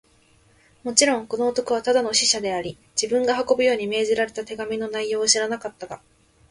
もちろん、この男はただの使者であり、自分が運ぶように命じられた手紙の内容を知らなかったが、